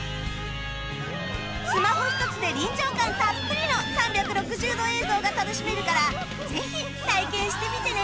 スマホ１つで臨場感たっぷりの３６０度映像が楽しめるからぜひ体験してみてね